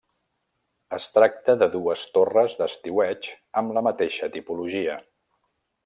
Es tracta de dues torres d'estiueig amb la mateixa tipologia.